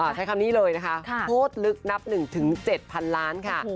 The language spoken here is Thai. ใช้คำนี้เลยนะคะโพสต์ลึกนับ๑ถึง๗พันล้านค่ะ